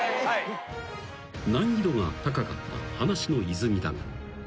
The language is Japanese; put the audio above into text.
［難易度が高かった『話の泉』だが］